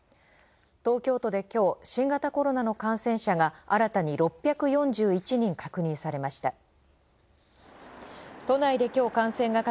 東京都で今日新型コロナの感染者が新たに６４１人確認されました。